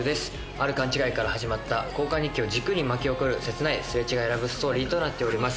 ある勘違いから始まった交換日記を軸に巻き起こる、切ないすれ違いラブストーリーとなっております。